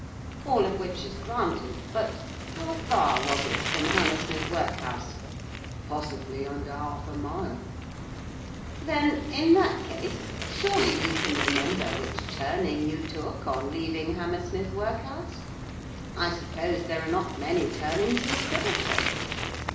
'All of which is granted, but how far was it from Hammersmith Workhouse?' 'Possibly under half a mile.' 'Then, in that case, surely you can remember which turning you took on leaving Hammersmith Workhouse, I suppose there are not many turnings you could have taken.